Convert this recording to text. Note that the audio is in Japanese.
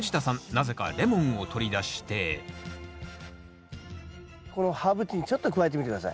なぜかレモンを取り出してこのハーブティーにちょっと加えてみて下さい。